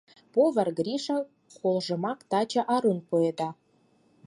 Повар Гриша колжымат таче арун пуэда.